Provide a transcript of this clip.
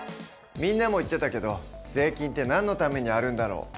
みんなも言ってたけど税金ってなんのためにあるんだろう？